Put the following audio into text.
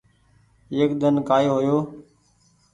ايڪ ۮن ڪآئي هو يو